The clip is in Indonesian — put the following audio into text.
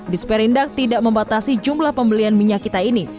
disperindak tidak membatasi jumlah pembelian minyak kita ini